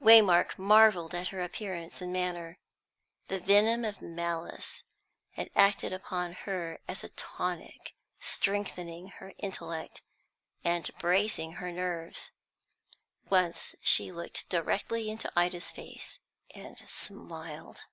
Waymark marvelled at her appearance and manner. The venom of malice had acted upon her as a tonic, strengthening her intellect, and bracing her nerves. Once she looked directly into Ida's face and smiled.